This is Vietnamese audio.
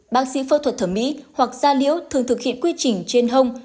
bác sĩ phẫu thuật thẩm mỹ hoặc da liễu thường thực hiện quy trình trên hông